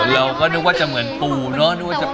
เราก็นึกว่าจะเหมือนปู่เนอะ